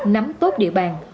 nắm tốt địa bàn